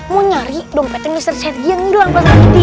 mau nyari dompetnya mister sergi yang hilang pak sergiti